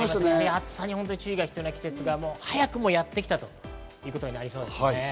暑さに注意が必要な季節が早くもやってきたということになりそうです。